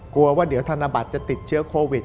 กลัวว่าเดี๋ยวธนบัตรจะติดเชื้อโควิด